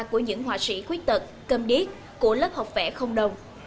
của những họa sĩ quyết tật cơm điếc của lớp học vẽ không đồng